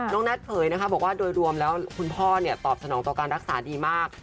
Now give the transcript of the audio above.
แน็ตเผยนะคะบอกว่าโดยรวมแล้วคุณพ่อตอบสนองต่อการรักษาดีมาก